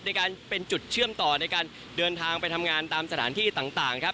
เป็นการเป็นจุดเชื่อมต่อในการเดินทางไปทำงานตามสถานที่ต่างครับ